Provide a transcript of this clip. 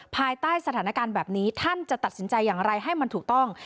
ภายใต้สถานการณ์แบบนี้ท่านจะตัดสินใจอย่างไรให้มันถูกต้อง